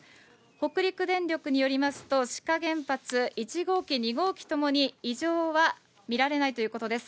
北陸電力によりますと、志賀原発１号機、２号機ともに、異常は見られないということです。